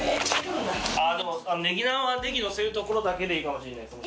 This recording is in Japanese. ◆舛でもねぎ南は優のせるところだけでいいかもしれないです。